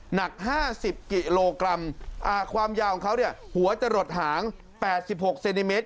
หนัก๕๐กิโลกรัมความยาวของเขาเนี่ยหัวจะหลดหาง๘๖เซนติเมตร